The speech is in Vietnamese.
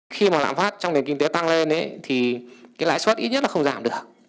khi mà lạm phát trong nền kinh tế tăng lên thì cái lãi suất ít nhất là không giảm được